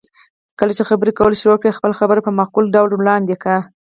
کله چې خبرې کول شروع کړئ، خپله خبره په معقول ډول وړاندې کړئ.